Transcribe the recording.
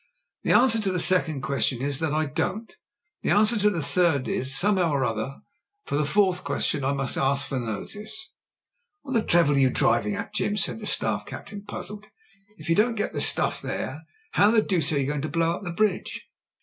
The answer to the second question is that I don't The answer to the third is — somehow ; and for the fourth question I must ask for notice." "What the devil are you driving at, Jim ?" said the Staff captain, puzzled. "If you don't get the stuff there, how the deuce are you going to blow up the bridge?"